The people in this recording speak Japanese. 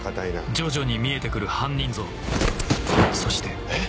徐々に見えて来る犯人像そしてえっ？